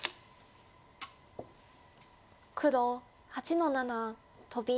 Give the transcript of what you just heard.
黒８の七トビ。